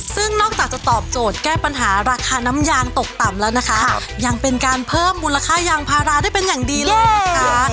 ซึ่งนอกจากจะตอบโจทย์แก้ปัญหาราคาน้ำยางตกต่ำแล้วนะคะยังเป็นการเพิ่มมูลค่ายางพาราได้เป็นอย่างดีเลยนะคะ